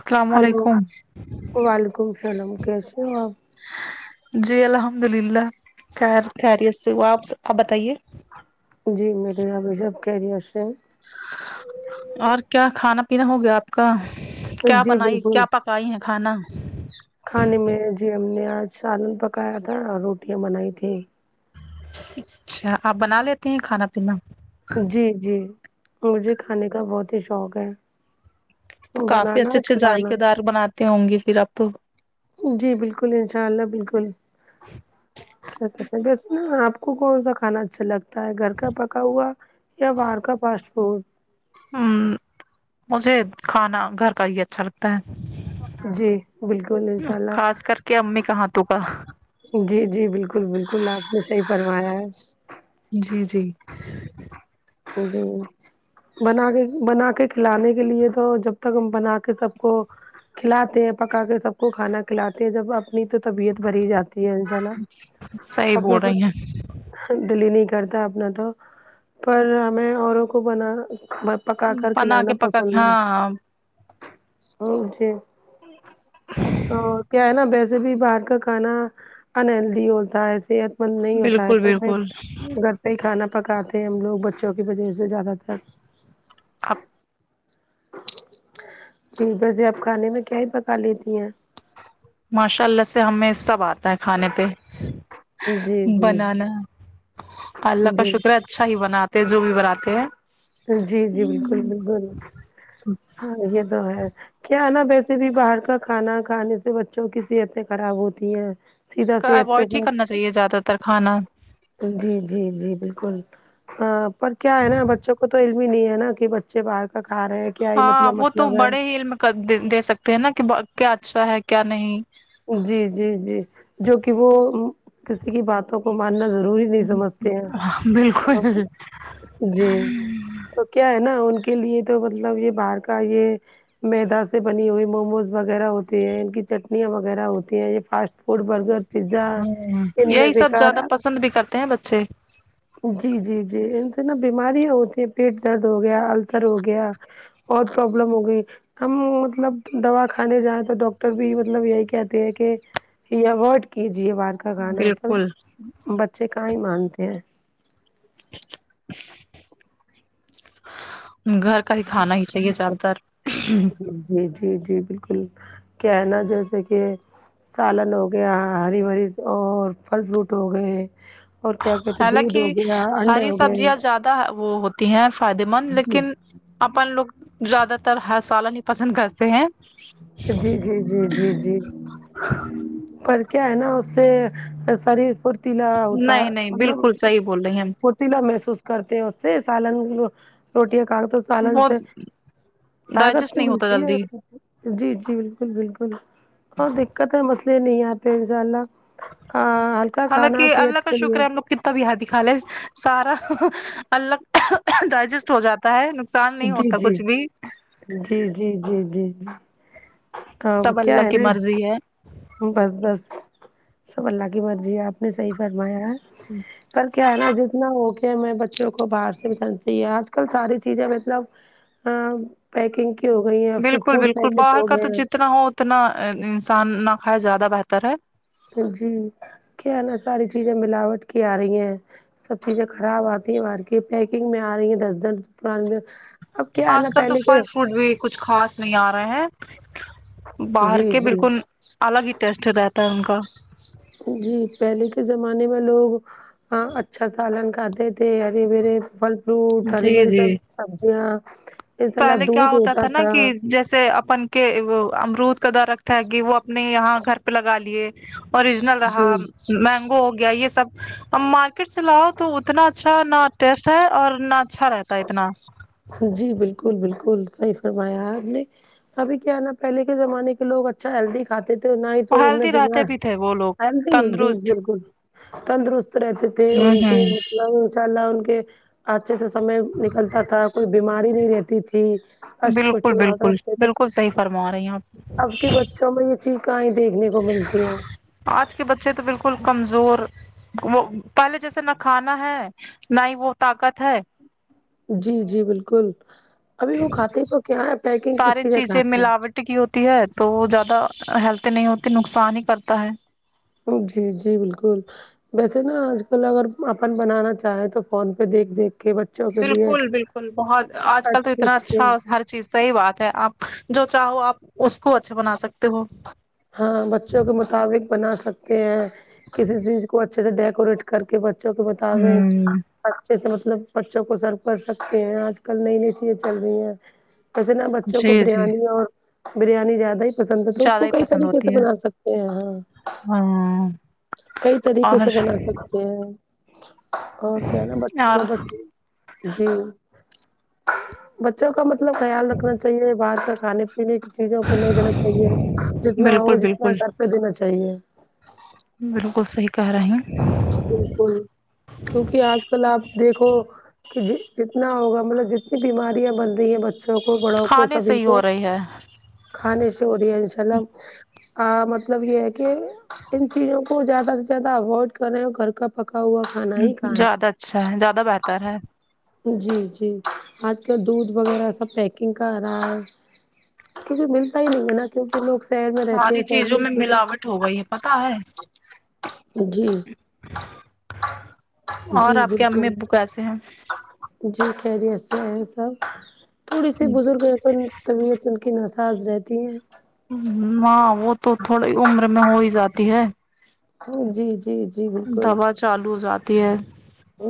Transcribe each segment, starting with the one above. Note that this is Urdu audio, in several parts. السلام ہلو علیکم وعلیکم السلام کیسے ہو آپ جی الحمد للہ کیا خیریت سے وہ آپ آپ بتائیے جی میرے یہاں رشب کیریئرس ہیں اور کیا کھانا پینا ہو گیا آپ کا کیا جی بنائی بالکل کیا پکائی ہیں کھانا کھانے میں جی ہم نے آج سالن پکایا تھا اور روٹیاں بنائی تیں اچھا آپ بنا لیتے ہیں کھانا پینا جی جی مجھے کھانے کا بہت ہی شوق ہے تو کافی بنانا اچھے اور اچھے جذائ کھلانا کے دار بناتے ہوں گے پھر اپ تو جی بالکل انشاء اللہ بالکل کیا کہتے ہیں بس ن آ کون سا کھانا اچھا لگتا ہے تا ہے گھر کا پکا ہوا یا باہر کا فاسٹ فوڈ ہ مجھے کھانا گھر کا ہی اچھا لگتا جی بالکل انشاء اللہ کیا امی کہاں ت کا [inaudible] جی جی بالکل بالکل آپ نے صحیح پروایا ہے جی جی ج جی [inaudible] بنا کے بنا کے کھلانے کے لیے تو جب تک ہم بنا کے سب کو کھلاتے ہیں پکا کے سب کو کھانا کھلاتے ہیں جب اپنی تو طبیعت بڑھی ہی جاتی انا صحیح اپنا بول تو رہی ہیں دلی نہیں کرتا اپنا تو پر ہمیں اوروں کو بنا پکا کر بنا کھلانا کے پکا کے پسند ہے ہاں ا جے تو کیا ہے نا بیس [inaudible] ج بھی باہر کا کھانا انہلدی ہوتا ہےے مند نہیں ہوتا ہے بالکل تو میں بالکل کئی کھانا پکاتے ہیں ہم لوگ بچوں کی وجہ سے زیادہ تر آپ [inaudible] جی بسے آپ کھانے میں کیا ہی پکا لیتی ہیں ماشاء اللہ سے ہمیں سب آتا ہے کھانے پہ جی جی جی بنانا اللہ کا جی شکر ہے اچھا ہی بناتے ہیں جو بھی بناتے ہیں جی جی بالکل بالکل ہاں یہ تو ہے کیا نا ویسے بھی باہر کا کھانا کھانے سے بچوں کی صحتیں خراب ہوتی ہیں سیدھا کا صحت پہ اوائڈ ہی کرنا فرق۔ چاہیے زیادہ تر کھانا جی جی جی بالکل پر کیا ہے نا بچوں کو تو بھی نہیں ہے نا کہ بچے باہر کا کھا رہے ہیں کیا ہی ہاں مطلب وہ تو مطلب ہے بڑے ہی علم دے سکتے ہیں نا کہ کیا اچھا ہے کیا نہیں جی جی جی جو کہ وہ کسی کی باتوں کو ماننا ضروری نہیں سمجھتے بالکل ہیں جی کیا ہے نا ان کے لیے تو مطلب یہ باہر کا یہ میدا سے بنی ہوئی موموز وغیرہ ہوتی ہیں ان کی چٹنیاں و وغیرہ ہوتی ہے یہ فاسٹ فوڈ برگر پیزا ہ ان میں یہی سب بیکار زیادہ پسند بھی کرتے ہیں بچے جی جی جی ان سے نا بیماریاں ہوتی ہیں پیٹ درد ہو گیا السر ہو گیا بہت پروبلم ہو گئی ہم مطلب دوا کھانے جائیں تو ڈاکٹر بھی مطلب یہی کہتے ہیں کہ یہ ابورڈ کیجیے بہر کا کھانا پر بالکل بچے کہا مانتے ہیں گھر کا ہی کھانا ہی چاہیے زیادہ تر جی جی جی بالکل کیا ہے نا جیسے کہ سالن ہو گیا ہری بری اور پھل فروٹ ہو گئے اور کیا کہتے حالانک دودھ ہو گیا انڈے ہری ہو گئے سبزیاں زیادہ وہ ہوتی ہیں فائدے مند جی لیکن اپن لوگ زیادہ تر ہ سالن پسند کرتے ہیں جی جی جی جی جی پر کیا ہے نا اس سے شریر فھرتیلا ہوتا ہے نہیں نہیں بالکل مطلب صحیح بول رہی ہیں لا محسوس کرتے ہیں اس سے سالن روٹیاں کاٹ تو سالن وہ سے طاقت ڈائجسٹ تو نہیں ہوتا ملتی ہے جلدی جی جی بالکل بالکل اور دقت ہے مسئلے نہیں آتے ان شاء اللہ ہلکا کھانا حالانکہ اللہ صحت کا کے شکر لیے ہے ہم لوگ تب یہاں دکھا لے سارا الگ ڈائجسٹ ہو جاتا ہے نقصان نہیں جی ہوتا جی کچھ بھی جی جی جی جی جی اب سب کیا اللہ ہے کی نا مرضی ہے بس بس سب اللہ کی مرضی ہے آپ نے صحیح فرمایا ہے پر کیا ہے نا جتنا ہو کہ ہمیں بچوں کو باہر سے بتانا چاہیے آج کل ساری چیزیں مطلب ہاں پیکنگ کی ہو گئی ہے فوڈ پیکٹ ہو گیا اتنا ہو اتنا انسان نہ کھائے زیادہ بہتر ہے جی کیا ہے نا ساری چیزیں ملاوٹ کی آ رہی ہیں سب چیزیں خراب آتی ہیں بہر کی پیکنگ میں آ رہی ہیں دس دنانی آج کل تو پھل فروٹ بھی کچھ خاص نہیں آ رہے ہیں باہر جی کے جی بالکل الگ ہی ٹیسٹ رہتا ہے ان کا جی پہلے کے زمانے میں لوگ ہاں اچھا سالن کھاتے تھے ہرے برے پھل فروٹ ہری جی بری جی سب سبزیاں ایسالا پہلے کیا دودھ ہوتا نا تھا کہ جیسے اپن کے امرود کا در رکھتا ہے کہ وہ اپنے یہاں گھر پہ لگا لیے اوریجنل جی رہا مینگو ہو گیا یہ سب ہم مارکی ٹ سے لاؤ تو اتنا اچھا نہ ٹیسٹ ہے اور نہ اچھا رہتا ہے اتنا [unintelligible] جی بالکل بالکل صحیح فرمایا آپ نے ابھی کیا نا پہلے کے زمانے کے لوگ اچھ اچھا ہیلدی کھاتے تھے نہ ہی اور تو ان میں ہیلدی رہتے بیمار بھی تھے وہ لوگ جی تندرست بالکل تندرست رہتے تھے ہوں ان کے ہوں مطلب انشاء اللہ ان کے اچھے سے سمے نکلتا تھا کوئی بیماری نہیں رہتی تھی اسٹ بالکل پشٹ ہوا بالکل کرتے تھے بالکل صحیح فرما رہی ہیں آپ اب کے بچوں میں یہ چیز کہیں دیکھنے کو ملتی ہے آج کے بچے تو بالکل کمزور وہ پہلے جیسے نہ کھانا ہے نہ ہی وہ طاقت ہے جی جی بالکل ابھی وہ کھاتے ہی کیا ہے پیکنگ کی ساری چیزیں کھاتے ہیں ملاوٹ کی ہوتی ہے تو وہ زیادہ ہیلدی نہیں ہوتی نقصان ہی کرتا ہے جی جی بالکل ویسے نا آج کل اگر اپن بنانا چاہیں تو فون پہ دیکھ دیکھ کے ب بالکل بالکل بہت آج کل تو اچھے اتنا اچھا اچھے ہر چیز صحیح بات ہے آپ جو چاہو آپ اس کو اچھا بنا سکتے ہو ہاں بچوں کے مطابق بنا سکتے ہیں کسی چیز کو اچھے سے ڈیکوریٹ کر کے بچوں کو بتاوے ہوں اچھے سے مطلب بچوں کو سرو کر سکتے ہیں آج کل نئی نئی چیزیں چل رہی ہیں جیسے نا بچوں کو جی جی بریانی اور بریانی زیادہ ہی پسند ہے تو اس زیادہ کو ہی کئی پسند طریقے سے ہوتی ہے بنا سکتے ہیں ہاں ہاں کئی طریقے اور سے بنا سکتے ہیں اور کیا نا بچوں کو اور بس جی بچوں کا مطلب خیال رکھنا چاہیے بر کا کھانے پنے کی چیزوں کو نہیں دینا چاہیے جتنا ہو بالکل جتنا بالکل گھر پہ دینا چاہیے بالکل صحیح کہہ رہے ہیں بالکل کیونکہ آج کل آپ دیکھو کہ ج جتنا ہوگا مطلب جتنی بیماریاں بن رہی ہیں بچے بچوں کو بڑوں کو کھانے سے سبھی ہی ہو کو رہی ہے کھانے سے ہو دیا انشاء اللہ مطلب یہ ہے کہ ان چیزوں کو زیادہ سے زیادہ اوائڈ کر رہے ہیں اور گھر کا پکا ہوا کھانا ہی کھائیں زیادہ اچھا ہے زیادہ بہتر ہے جی جی آج کل دودھ وغیرہ سب پیکنگ کر رہا ہے کیکہ ملتا ہی نہیں ہے نا کیونکہ لوگ شہر میں رہتے ہیں ساری شہر چیزوں میں میںے ملاوٹ ہو گئی ہے پتا ہے جی جی اور آپ کے بالکل امی ابو کیسے ہیں جی خیری سے ہیں سب تھوڑی سی بزرگ ہیں تو طبیعت کی نساز رہتی ہیں ہاں وہ تو تھوڑی عمر میں ہو ہی جاتی ہے جی جی جی بالکل دوا چالو ہو جاتی ہے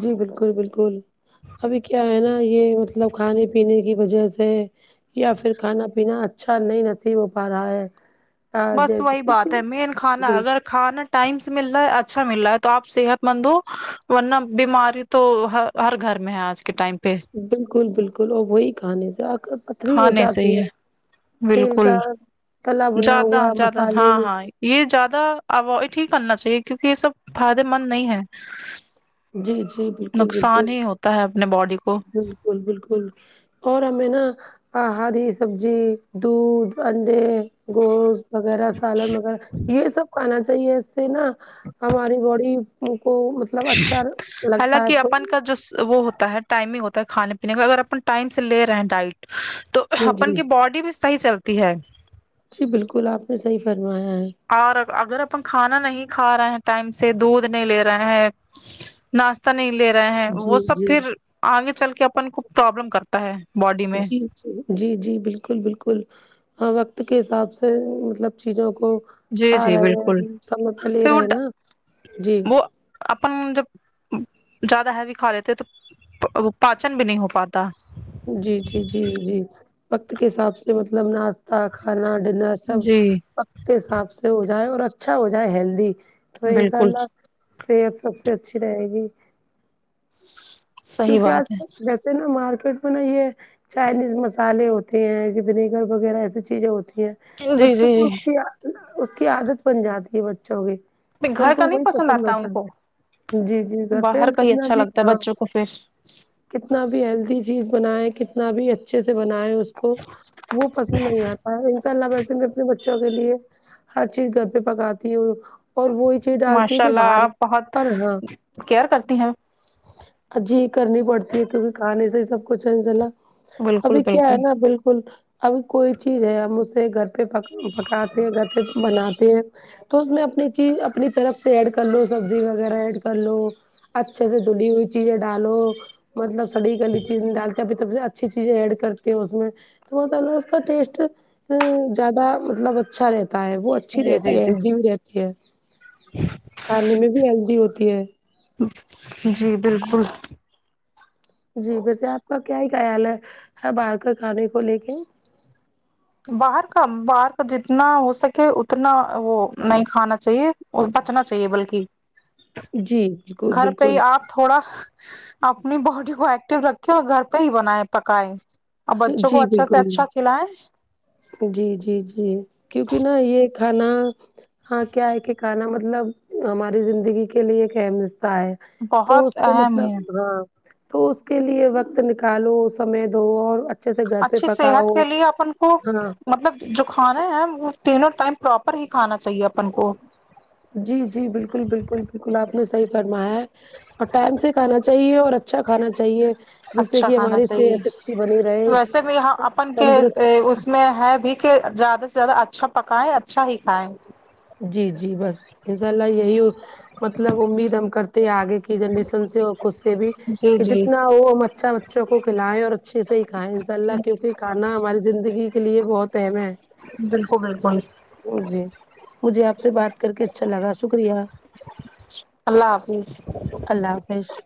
جی بالکل بالکل ابھی کیا ہے نا یہ مطلب کھانے پینے کی وجہ سے یا پھر کھانا پینا اچھا نہیں نصیب ہو پا رہا ہے بس وہی جیسے کہ بات ہے مین کھانا اگر کھانا ٹائم سے مل رہا ہے اچھا مل رہا ہے تو آپ صحت مند ہو ورنہ بیماری تو ہ ہر گھر میں ہے آج کے ٹائم پہ بالکل بالکل اور وہی کہانی سے آ پتری ہو کھانے سے ہی جاتی ہے تیل بالکل کا تلا بنا زیادہ ہوا زیادہ مسالے ہاں ہاں یہ زیادہ اوائڈ ہی کرنا چاہیے کیونکہ یہ سب فائدے مند نہیں ہے جی جی بالکل نقصان ہی ہوتا ہے اپنے باڈی کو بکل بالکل اور ہمیں نا ہری سبزی دودھ انڈے گوشت وغیرہ سالن وغیرہ یہ سب کھانا چاہیے اس سے نا ہماری باڈی کو مطلب اچھا لگتا حالکہ ہے اپن کا جو وہ ہوتا ہے ٹائمنگ ہوتا ہے کھانے پینے کا اگر اپن ٹائم سے لے رہے ہیں ڈائٹ تو اپن جی کی باڈی بھی صحیح چلتا ت ہے [unintelligible] جی بالکل آپ نے صحیح فرمایا ہے اور اگر اپن کھانا نہیں کھا رہے ہیں ٹائم سے دودھ نہیں لے رہے ہیں ناشتہ نہیں لے رہے ہیں جی وہ سب جی پھر آگے چل کے اپن کو پرابلم کرتا ہے باڈی میں جی جی جی بالکل بالکل وقت کے حساب سے مطلب چیزوں کو جی کھا جی رہے بالکل ہیں سج پہ لے پھر وہ رہے نا جی وہ اپن جب زیادہ ہے بھی کھا لیتے تو پاچن بھی نہیں ہو پاتا جی جی جی جی وقت کے حساب سے مطلب ناس کھانا ڈنر سب جی وت کے حساب سے ہو جائے اور اچھا ہو جائے ہیلدی تو انشاء بالکل اللہ صحت سب سے اچھی رہے گی صحیح کیونکہ آج بات کل ویسے نا مارکیٹ میں نا یہ چائنیز مسالے ہوتے ہیں ونیگر وغیرہ ایسی چیزیں ہوتی ہیں ہے جی بچوں جی کو اس کی اس کی عادت بن جاتی ہے بچوں کی جی ان گھر کا کو نہیں وہی پسند آتا ان ہوتا کو ہے جی جی گھر پہ ہم کتنا بھی ہاں افیس کتنا بھی ہیلدی چیز بنائے کتنا بھی اچھے سے بنائےیں اس کو وہ پسند نہیں آتا انشاء اللہ ویسے میں اپنے بچوں کے لیے ہر چیز گھر پہ پکاتی ہوں اور وہی چیز ڈالتی ہوں ماشاء جو اللہ باہر آپ بہت پر ہاں کیئر کرتی ہیں جی کرنی پڑتی ہے کیونکہ کھانے سے ہی سب کچھ ہے انسلہ بالکل ابھی کیا ہے بالکل نا بالکل ابھی کوئی چیز ہے ہم اسے گھر پہ پکاتے ہیں گھر پہ بناتے ہیں تو اس میں اپنی چیز اپنی طرف سے ایڈ کر لو سبزی وغیرہ ایڈ کر لو اچھے سے دھلی ہوئی چیزیں ڈالو مطلب سڑی گلی چیز ڈال کبھی تب سے اچھی چیزیں ایڈ کرتی ہو اس میں تو وہو اس کا ٹیسٹ ا زیادہ مطلب اچھا رہتا ہے وہ ا اچھی جی جی رہتی ہے جی ہیلدی بھی رہتی ہے کھانے میں بھی ہیلدی ہوتی ہے جی بالکل جی ویسے آپ کا کیا ہی خیال ہے باہر کا کھانے کو لے کے باہر کا باہر کا جتنا ہو سکے اتنا وہ نہیں کھانا چاہیے اور بچنا چاہیے بلکہ ج گھر پہ ہی آپ تھوڑا اپنی باڈی کو ایکٹیو رکھتے اور گھر پہ ہی بنائےیں پکائے ا بچوں کو جی اچھا سے بالکل اچھا کھلائیں جی جی جی کیونکہ نا یہ کھانا ہاں کیا ہے کہ کھانا مطلب ہماری زندگی کے لیے ایک اہم رستہ ہے تو اس بہت کو اہم ہے مطلب ہاں تو اس کے لیے وقت نکالو سمے دو اور ا اچھی صحت کے لیے اپن ہاں مطلب جو کھانا ہے وہ تینوں ٹائم پراپر ہی کھانا چاہیے اپن کو جی جی بالکل بالکل بالکل آپ نے صحیح فرمایا ہے اور ٹائم سے کھانا چاہیے اور اچھا کھانا چاہیے جس سے اچھا کہ کھانا ہماری چاہیے صحت اچھی بنی رہے ویسے بھی اپن کے تندرست اس میں ہے بھی کہ زیادہ سے زیادہ اچھا پکائے اچھا ہی کھائےیں جی جی بس انشاء اللہ یہی مطلب امید ہم کرتے ہیں آگے جنریشن سے اور خھ سے بھی جی کہ جی جتنا وہ مچھا بچوں کو کھلائےیں اور اچھے سے ہی کھائےیں ان شاء اللہ کیوںکہ کھانا ہماری زندگی کے لیے بہت اہم ہے بالکل بالکل جی مجھے آپ سے بات کر کے اچھا لگا شکریہ اللہ حافظ اللہ حافظ فش [unintelligible]